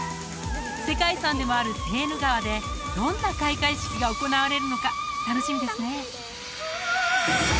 世界遺産でもあるセーヌ川でどんな開会式が行われるのか楽しみですね